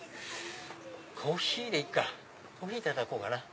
コーヒーでいいかコーヒーいただこうかな。